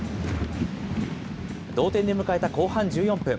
同点で迎えた後半１４分。